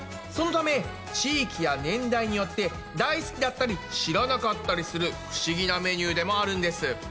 そのため地域や年代によって大好きだったり知らなかったりする不思議なメニューでもあるんです。